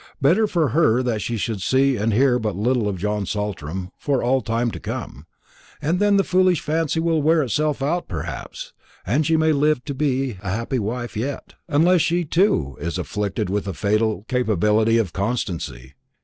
Better for her that she should see and hear but little of John Saltram for all time to come; and then the foolish fancy will wear itself out perhaps, and she may live to be a happy wife yet; unless she, too, is afflicted with the fatal capability of constancy.